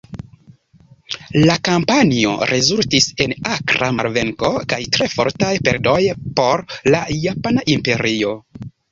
La kampanjo rezultis en akra malvenko kaj tre fortaj perdoj por la Japana Imperio.